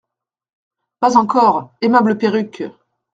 Pas encore, aimable perruque !…